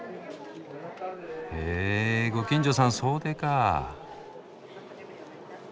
へえご近所さん総出か。